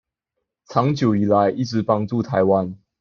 長久以來一直幫助臺灣